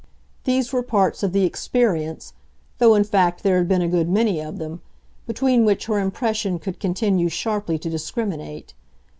These were parts of the experience though in fact there had been a good many of them between which her impression could continue sharply to discriminate.